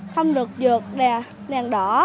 không được dược đèn đỏ